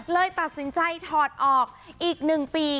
เลยตัดสินใจถอดออกอีก๑ปี